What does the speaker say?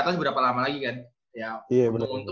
soalnya kita gak tau seberapa lama lagi kan